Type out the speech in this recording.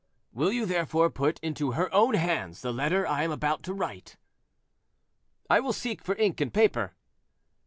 "Will you therefore put into her own hands the letter I am about to write?" "I will seek for ink and paper."